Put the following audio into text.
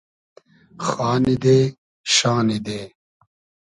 خانی دې شانی دې